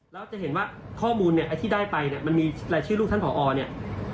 แล้วจะเห็นว่าข้อมูลเนี่ยไอ้ที่ได้ไปเนี่ยมันมีรายชื่อลูกท่านผอเนี่ย